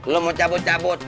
lu mau cabut cabut